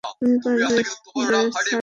তুমি পারবে, সার্সি।